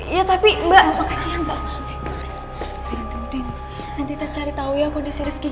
ya tapi mbak